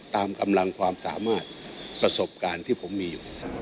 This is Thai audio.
ตามกำลังความสามารถประสบการณ์ที่ผมมีอยู่